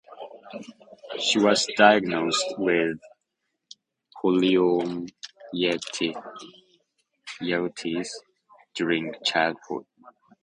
She was diagnosed with Poliomyelitis during childhood.